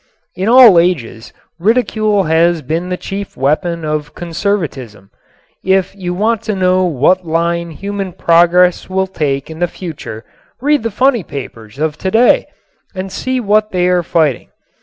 In all ages ridicule has been the chief weapon of conservatism. If you want to know what line human progress will take in the future read the funny papers of today and see what they are fighting.